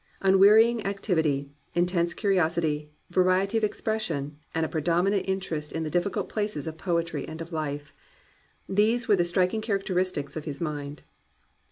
Unwearying activity, intense curiosity, variety of expression, and a predominant interest in the difficult places of poetry and of life, — these were the striking characteristics of his mind.